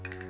ya ya gak